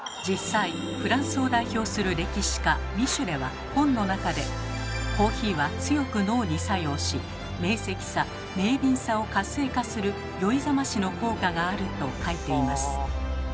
実際フランスを代表する歴史家ミシュレは本の中で「コーヒーは強く脳に作用し明晰さ明敏さを活性化する酔いざましの効果がある」と書いています。